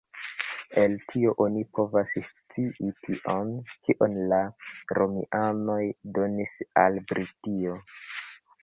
El tio oni povas scii tion, kion la Romianoj donis al Britio.